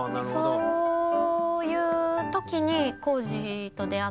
そういう時に皓史と出会って。